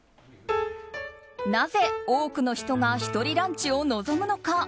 なぜ多くの人が一人ランチを望むのか？